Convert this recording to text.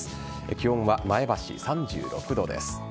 気温は前橋３６度です。